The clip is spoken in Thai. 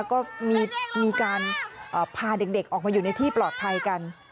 ก็มีการพาเด็กออกมาอยู่ในที่ปลอดภัยกัน